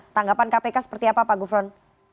tanggapan kpk seperti apa pak gufron